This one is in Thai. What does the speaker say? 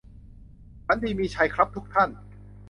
ฝันดีมีชัยครับทุกท่าน